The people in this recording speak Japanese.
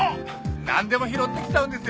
なんでも拾ってきちゃうんですよ